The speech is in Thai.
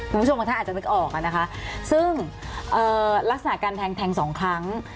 ผู้ชมค่ะท่านอาจจะนึกออกอะนะคะซึ่งเอ่อลักษณะการแทง๒ครั้ง